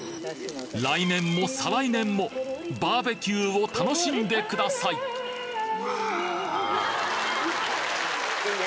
来年も再来年もバーベキューを楽しんでくださいいいね。